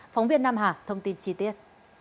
phóng viên nam hà thông tin chi tiết